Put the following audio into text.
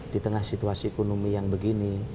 di tengah situasi ekonomi yang begini